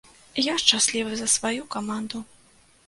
Я шчаслівы за сваю каманду.